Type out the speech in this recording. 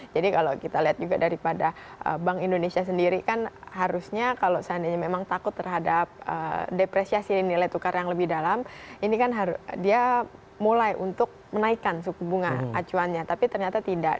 jadi kalau kita lihat juga daripada bank indonesia sendiri kan harusnya kalau seandainya memang takut terhadap depresiasi nilai tukar yang lebih dalam ini kan dia mulai untuk menaikkan suku bunga acuannya tapi ternyata tidak